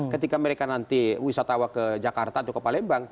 ketika mereka nanti wisatawan ke jakarta atau ke palembang